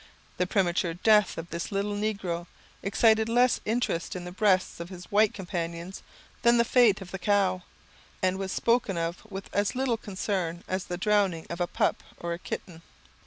The premature death of this little negro excited less interest in the breasts of his white companions than the fate of the cow, and was spoken of with as little concern as the drowning of a pup or a kitten.